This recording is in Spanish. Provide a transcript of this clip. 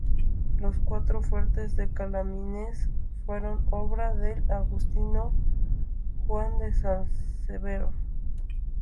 Los cuatro fuertes de Calamianes fueron obra del agustino Juan de San Severo.